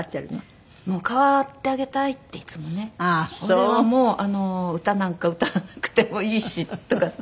「俺はもう歌なんか歌わなくてもいいし」とかって。